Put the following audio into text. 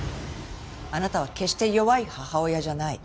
あなたは決して弱い母親じゃない。